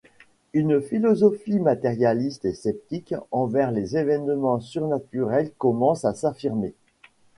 Une philosophie matérialiste et sceptique envers les évènements surnaturels commence à s’affirmer.